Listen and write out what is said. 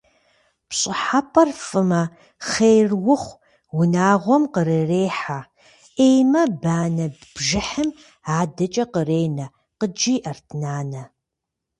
«Пщӏыхьэпӏэр фӀымэ, хъер ухъу, унагъуэм кърырехьэ, Ӏеймэ, банэ бжыхьым адэкӀэ кърыренэ», – къыджиӀэрт нанэ.